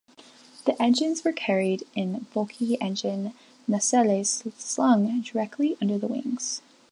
The engines were carried in bulky engine nacelles slung directly under the wings.